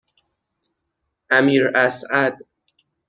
امیراسعد